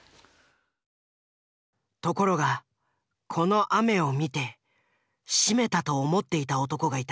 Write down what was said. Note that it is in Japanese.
ところがこの雨を見て「しめた」と思っていた男がいた。